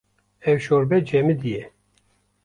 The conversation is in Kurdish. Ev şorbe cemidî ye.